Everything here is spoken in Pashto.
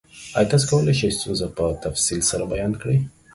ایا تاسو کولی شئ ستونزه په تفصیل سره بیان کړئ؟